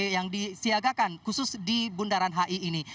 yang disiagakan khusus di bundaran hi ini